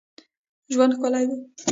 ژوند ښکلی دئ.